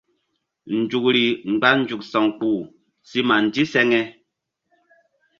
Nzukri mgba nzuk sa̧wkpuh si ma ndiseŋe.